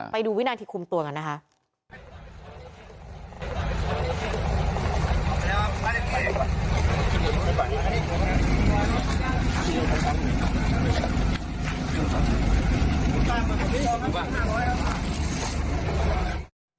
ไปดูวินาทีคุมตัวกันนะคะ